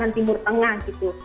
makanan timur tengah gitu